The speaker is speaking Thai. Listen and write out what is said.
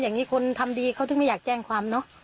อย่างนี้คนทำดีเขาถึงไม่อยากแจ้งความเนอะ